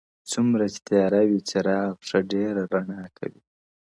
څومره چي تیاره وي څراغ ښه ډېره رڼا کوي,